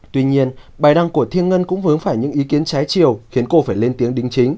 tuy nhiên bài đăng của thiên ngân cũng vướng phải những ý kiến trái chiều khiến cô phải lên tiếng đính chính